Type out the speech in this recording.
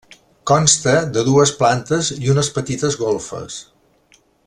Consta de dues plantes i unes petites golfes.